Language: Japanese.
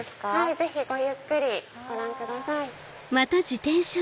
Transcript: ぜひごゆっくりご覧ください。